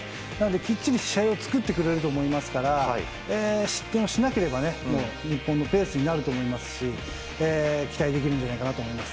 きっちり試合を作ってくれると思いますから失点をしなければ日本のペースになると思いますし期待できるんじゃないかなと思います。